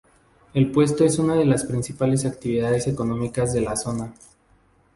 El Puerto es una de las principales actividades económicas de la zona.